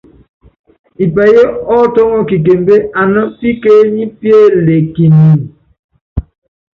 Ipɛyɛ́ ɔ́ tɔ́ŋɔ kikembé aná pikenípíelekinin.